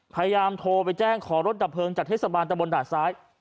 พยายามโทรไปแจ้งขอรถดับเพลิงจากเทศบาลตะบนด่านซ้าย